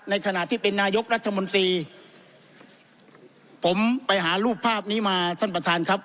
ขณะที่เป็นนายกรัฐมนตรีผมไปหารูปภาพนี้มาท่านประธานครับ